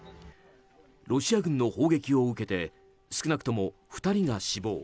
ロシア軍の砲撃を受けて少なくとも２人が死亡。